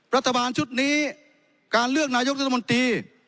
รัฐบาลชุดนี้การเลือกนายกรัฐมนตรี